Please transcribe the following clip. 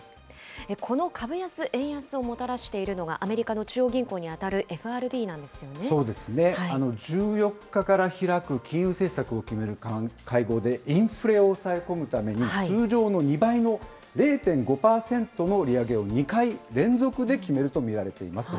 この株安、円安をもたらしているのが、アメリカの中央銀行にそうですよね、１４日から開く金融政策を決める会合でインフラを抑え込むために、通常の２倍の０．５％の利上げを２回連続で決めると見られています。